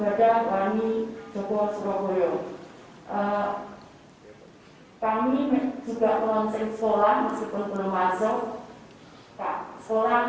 sekolah pani jogoswapoyo meskipun sekolah belum masuk